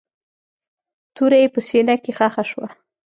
توره يې په سينه کښې ښخه شوه.